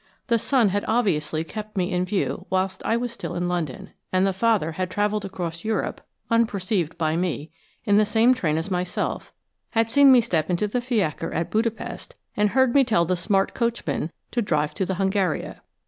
The son had obviously kept me in view whilst I was still in London, and the father had travelled across Europe, unperceived by me, in the same train as myself, had seen me step into the fiacre at Budapest, and heard me tell the smart coachman to drive to the Hungaria.